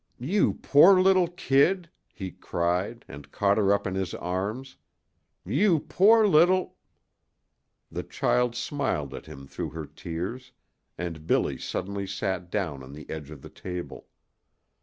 "You poor little kid," he cried, and caught her up in his arms. "You poor little " The child smiled at him through her tears, and Billy suddenly sat down on the edge of the table.